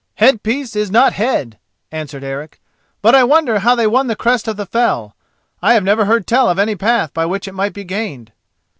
"Head piece is not head," answered Eric; "but I wonder how they won the crest of the fell. I have never heard tell of any path by which it might be gained."